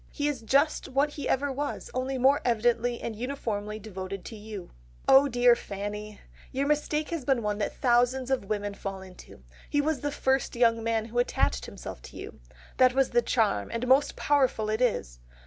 He is just what he ever was, only more evidently and uniformly devoted to you.... "Oh dear Fanny! Your mistake has been one that thousands of women fall into. He was the first young man who attached himself to you. That was the charm, and most powerful it is....